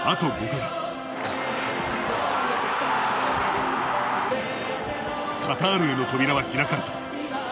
カタールへの扉は開かれた。